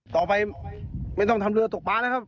ต่อไปไม่ต้องทำเรือตกปลาแล้วครับ